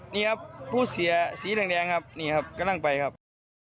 นี่ครับผู้เสียสีแดงครับนี่ครับก็นั่งไปครับ